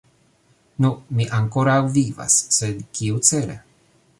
Nu, mi ankoraŭ vivas, sed kiucele?